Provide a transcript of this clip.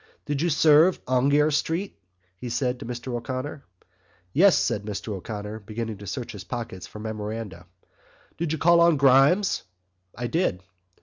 "Did you serve Aungier Street?" he asked Mr O'Connor. "Yes," said Mr O'Connor, beginning to search his pockets for memoranda. "Did you call on Grimes?" "I did."